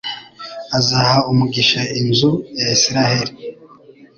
azaha umugisha inzu ya Israheli